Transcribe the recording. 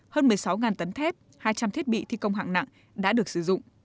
hơn một mươi sáu tấn thép hai trăm linh thiết bị thi công hạng nặng đã được sử dụng